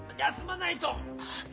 休まないと。